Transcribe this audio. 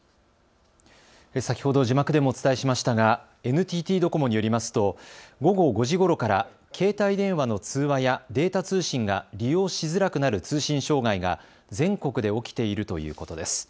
先ほど字幕でもお伝えしましたがＮＴＴドコモによりますと午後５時ごろから携帯電話の通話やデータ通信が利用しづらくなる通信障害が全国で起きているということです。